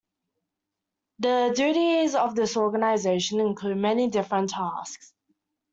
The duties of this organization include many different tasks.